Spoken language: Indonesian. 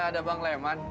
he ada bang leman